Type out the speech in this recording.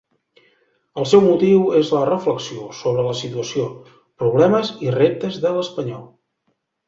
El seu motiu és la reflexió sobre la situació, problemes i reptes de l'espanyol.